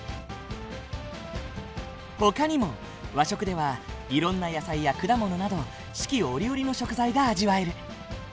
ほかにも和食ではいろんな野菜や果物など四季折々の食材が味わえる。